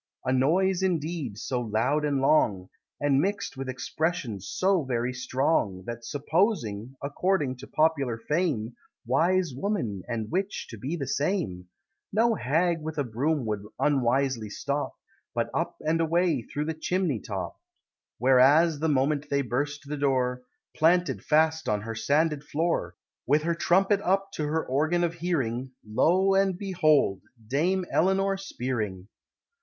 A noise, indeed, so loud and long, And mix'd with expressions so very strong, That supposing, according to popular fame, "Wise Woman" and Witch to be the same, No hag with a broom would unwisely stop, But up and away through the chimney top; Whereas, the moment they burst the door, Planted fast on her sanded floor, With her Trumpet up to her organ of hearing, Lo and behold! Dame Eleanor Spearing!